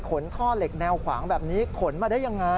ท่อเหล็กแนวขวางแบบนี้ขนมาได้ยังไง